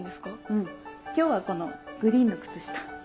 うん今日はこのグリーンの靴下。